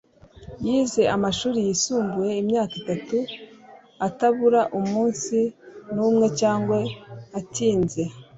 Yize amashuri yisumbuye imyaka itatu atabura umunsi numwe cyangwa atinze